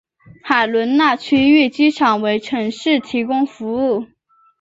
海伦娜区域机场为城市提供服务。